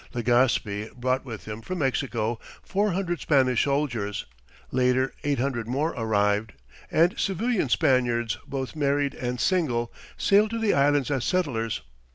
Legaspi brought with him from Mexico four hundred Spanish soldiers. Later eight hundred more arrived, and civilian Spaniards, both married and single, sailed to the Islands as settlers.